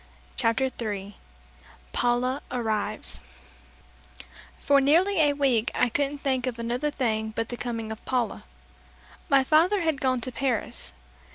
CHAPTER THREE PAULA ARRIVES For nearly a week I couldn't think of another thing but the coming of Paula. My father had gone to Paris.